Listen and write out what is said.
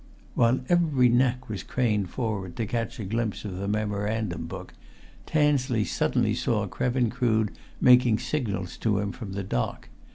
While every neck was craned forward to catch a glimpse of the memorandum book, Tansley suddenly saw Krevin Crood making signals to him from the dock.